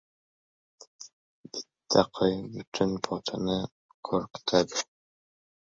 • Bitta qo‘y butun podani qo‘rqitadi.